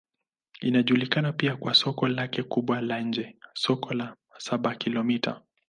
Inajulikana pia kwa soko lake kubwa la nje, Soko la Saba-Kilomita.